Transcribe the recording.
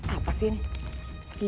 apa sih ini